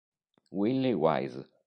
Willie Wise